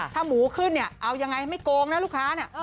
ถ้าหมูขึ้นเนี่ยเอายังไงไม่โกงนะลูกค้าเนี่ย